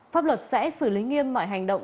pháp luật sẽ xử lý nghiêm mọi hành động